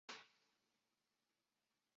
房角石是一属已灭绝的鹦鹉螺类。